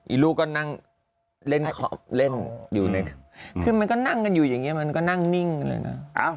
ลูกก็นั่งเล่นขอบเล่นอยู่ในคือมันก็นั่งกันอยู่อย่างนี้มันก็นั่งนิ่งกันเลยนะ